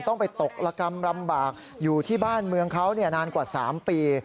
ต้องไปตกระกำลำบากอยู่ที่บ้านเมืองเขานานกว่า๓ปี